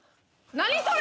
何それ！？